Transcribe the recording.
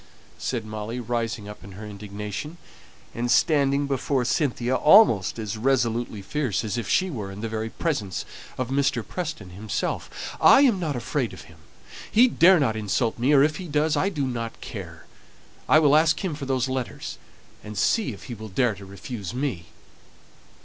said Molly, rising up in her indignation, and standing before Cynthia almost as resolutely fierce as if she were in the very presence of Mr. Preston himself. "I am not afraid of him. He dare not insult me, or if he does I don't care. I will ask him for those letters, and see if he will dare to refuse me."